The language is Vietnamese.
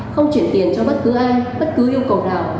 không chuyển tiền cho bất cứ ai bất cứ yêu cầu nào